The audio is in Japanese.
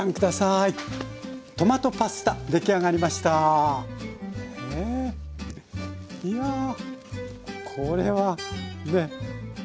いやあこれはね